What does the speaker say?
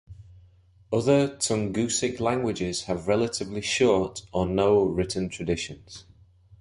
Other Tungusic languages have relatively short or no written traditions.